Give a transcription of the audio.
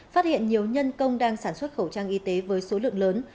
phát hiện nhiều nhân công đang sản xuất khẩu trang y tế với số lượng lớn